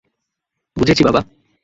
বুঝেছি, বাবা।